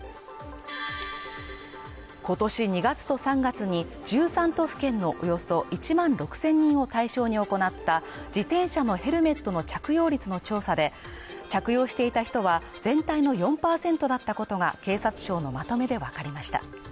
今年２月と３月に１３都府県のおよそ１万６０００人を対象に行った自転車のヘルメットの着用率の調査で着用していた人は全体の４％だったことが警察庁のまとめでわかりました。